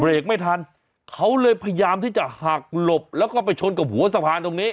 ไม่ทันเขาเลยพยายามที่จะหักหลบแล้วก็ไปชนกับหัวสะพานตรงนี้